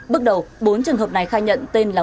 bước đầu bốn trường hợp này khai nhận tên là